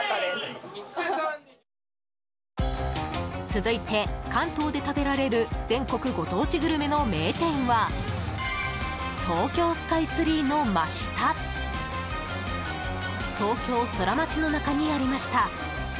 続いて、関東で食べられる全国ご当地グルメの名店は東京スカイツリーの真下東京ソラマチの中にありました。